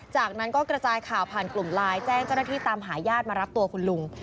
จากนั้นก็กระจายข่าวผ่านกลุ่มไลน์แจ้งเจ้าหน้าที่ตามหาญาติมารับตัวคุณลุง